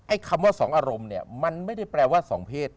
คำว่าสองอารมณ์เนี่ยมันไม่ได้แปลว่าสองเพศ